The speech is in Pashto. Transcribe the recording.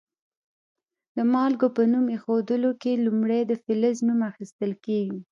د مالګو په نوم ایښودلو کې لومړی د فلز نوم اخیستل کیږي.